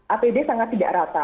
apd sangat tidak rata